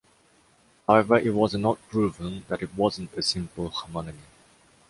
However, it was not proven that it wasn’t a simple homonymy.